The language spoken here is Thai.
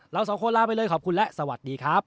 เราสองคนลาไปเลยขอบคุณและสวัสดีครับ